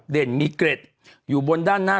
เด่นมีเกร็ดอยู่บนด้านหน้า